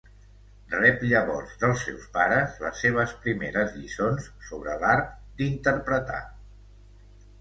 Rep llavors dels seus pares les seves primeres lliçons sobre l'art d’interpretar.